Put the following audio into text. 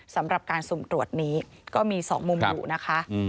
สำหรับการสุ่มตรวจนี้ก็มี๒มุมอยู่นะคะ